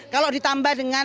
kalau ditambah dengan